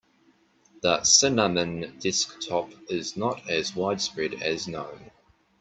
The cinnamon desktop is not as widespread as gnome.